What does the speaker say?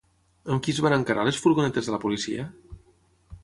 Amb qui es van encarar les furgonetes de la policia?